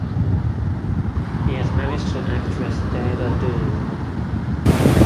He is married to actress Deirdre Doone.